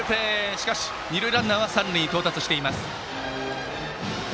しかし二塁ランナー三塁に到達しています。